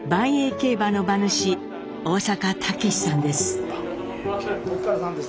競馬の馬主大阪武さんです。